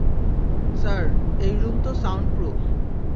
Sir, এই room তো soundproof.